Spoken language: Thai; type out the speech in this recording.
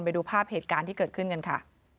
ไปดูภาพเหตุการณ์ที่เกิดขึ้นกันค่ะ